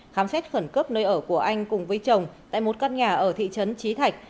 khám xét khẩn cấp nơi ở của anh cùng với chồng tại một căn nhà ở thị trấn trí thạch